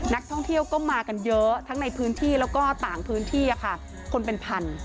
นักท่องเที่ยวก็มากันเยอะทั้งในพื้นที่แล้วก็ต่างพื้นที่คนเป็นพัน